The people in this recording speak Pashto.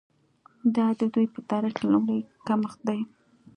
دا د دوی په تاریخ کې لومړی کمښت دی.